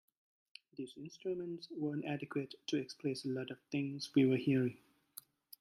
These instruments weren't adequate to express a lot of the things we were hearing.